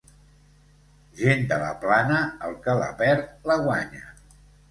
Gent de la plana, el que la perd, la guanya.